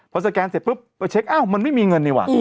พอสแกนเสร็จปุ๊บไปเช็คอ้าวมันไม่มีเงินดีกว่า